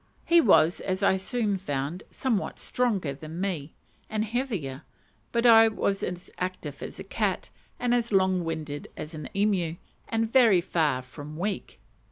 He was, as I soon found, somewhat stronger than me, and heavier; but I was as active as a cat, and as long winded as an emu, and very far from weak.